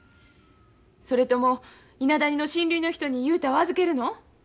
それとも伊那谷の親類の人に雄太を預けるの？